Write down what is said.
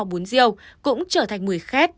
bún riêu cũng trở thành mùi khét